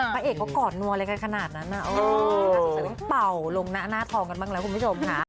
พระเอกเขากอดนัวอะไรกันขนาดนั้นสงสัยต้องเป่าลงหน้าทองกันบ้างแล้วคุณผู้ชมค่ะ